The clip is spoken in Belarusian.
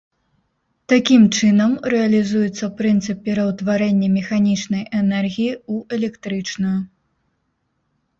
Такім чынам, рэалізуецца прынцып пераўтварэння механічнай энергіі ў электрычную.